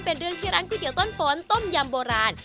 เป็นเรื่องที่ร้านก๋วยเตี๋ยต้นฝนต้มยำโบราณ